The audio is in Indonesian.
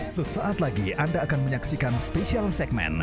sesaat lagi anda akan menyaksikan spesial segmen